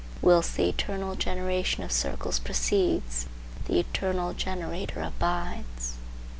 Whilst the eternal generation of circles proceeds, the eternal generator abides.